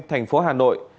thành phố hà nội